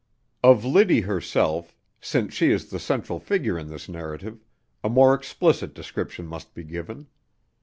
Of Liddy herself, since she is the central figure in this narrative, a more explicit description must be given.